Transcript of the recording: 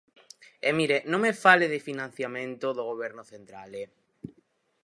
E mire, non me fale de financiamento do Goberno central, ¡eh!